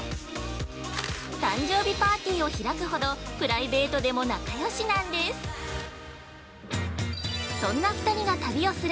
誕生日パーティーを開くほどプライベートでも仲良しなんです。